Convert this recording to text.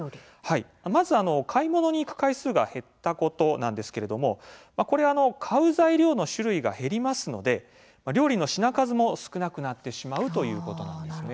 まず買い物に行く回数が減ったことなんですけれどもこれは、買う材料の種類が減りますので料理の品数も少なくなってしまうということなんです。